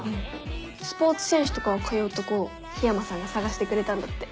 スポーツ選手とかが通うとこ緋山さんが探してくれたんだって。